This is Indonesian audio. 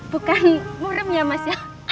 bukan murem ya mas